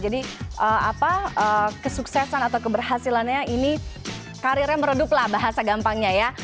jadi apa kesuksesan atau keberhasilannya ini karirnya mereduplah bahasa gampangnya ya